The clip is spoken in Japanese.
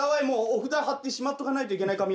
お札貼ってしまっとかないといけない髪形。